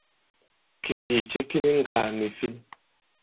Kìsìì ce ki ni ŋgàà nì fin.